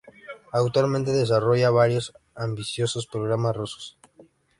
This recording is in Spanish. Actualmente desarrolla varios ambiciosos programas rusos.